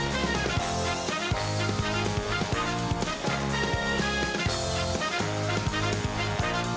เมื่อยปากสวัสดีค่ะ